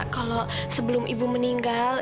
kalau sebelum ibu meninggal